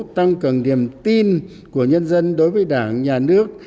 tăng cường niềm tin của nhân dân đối với đảng nhà nước